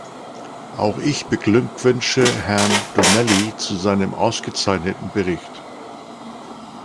Auch ich beglückwünsche Herrn Donnelly zu seinem ausgezeichneten Bericht.